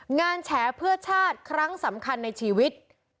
แฉเพื่อชาติครั้งสำคัญในชีวิต